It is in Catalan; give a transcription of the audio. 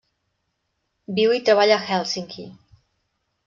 Viu i treballa a Hèlsinki.